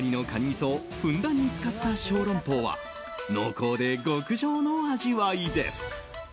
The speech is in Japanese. みそをふんだんに使った小龍包は濃厚で極上の味わいです。